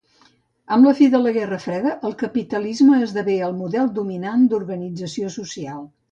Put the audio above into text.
Amb la fi de la Guerra Freda el capitalisme esdevé el model dominant d'organització social.